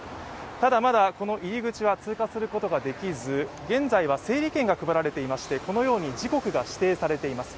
ただ、まだ入り口は通過することはできず、現在は整理券が配られていまして時刻が指定されています。